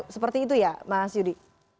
seperti itu ya mas yudi